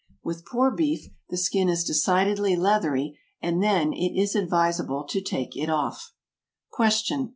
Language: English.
With poor beef, the skin is decidedly leathery, and then it is advisable to take it off. _Question.